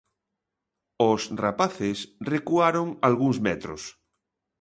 Os rapaces recuaron algúns metros.